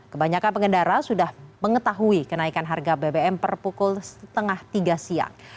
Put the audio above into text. kebanyakan pengendara sudah mengetahui kenaikan harga bbm per pukul setengah tiga siang